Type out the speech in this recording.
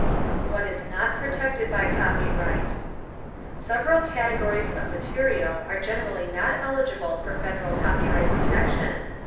WHAT IS NOT PROTECTED BY COPYRIGHT? Several categories of material are generally not eligible for federal copyright protection.